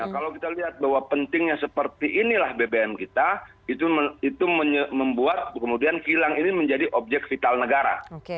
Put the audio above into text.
kalau kita lihat bahwa pentingnya seperti inilah bbm kita itu membuat kemudian kilang ini menjadi objek vital negara